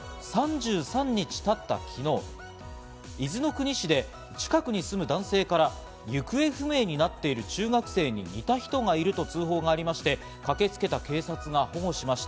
県警によりますと、３３日たった昨日、伊豆の国市で近くに住む男性から行方不明になっている中学生に似た人がいると通報がありまして、駆けつけた警察が保護しました。